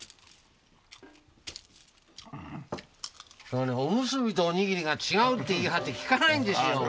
それでおむすびとおにぎりが違うって言い張って聞かないんですよ。